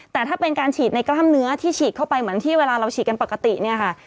แต่ถ้าเป็นการฉีดในกล้ามเนื้อที่ฉีดเข้าไปเหมือนที่เวลาเราฉีดกันปกติเนี่ยค่ะ